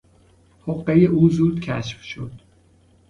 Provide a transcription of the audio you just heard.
حقهی او زود کشف شد.